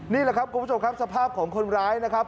นี่แหละครับคุณผู้ชมครับสภาพของคนร้ายนะครับ